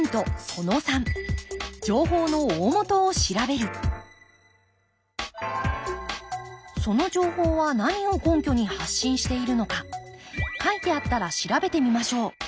その３その情報は何を根拠に発信しているのか書いてあったら調べてみましょう。